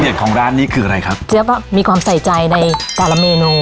มันบางอย่างนี้เลยใช่ไหมแบบนี้เอง